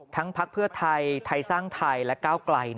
ทั้งภักษฐ์เพื่อไทยไทสรรค์ไทยและก้าวไกล